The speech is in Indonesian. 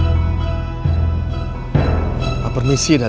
saya akan mencari manakah yang apa yang berarti isterinya